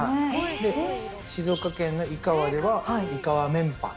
静岡県の井川では井川メンパ。